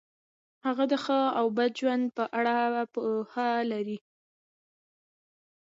هغه د ښه او بد ژوند په اړه پوهه لري.